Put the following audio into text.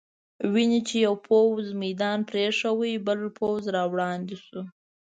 وینې چې یو پوځ میدان پرېښود، بل پوځ را وړاندې شو.